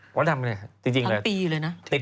ก็ทำอะไรน่ะทำปีเลยนะจริงเลยนะ